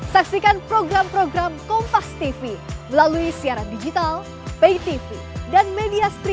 saksikan program program kompas tv melalui siaran digital pay tv dan media street